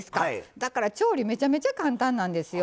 だから調理めちゃめちゃ簡単なんですよ。